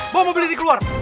bawa mobil ini keluar